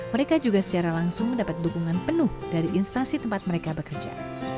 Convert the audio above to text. mereka juga secara langsung mendapat dukungan penuh dari instansi tempat mereka bekerja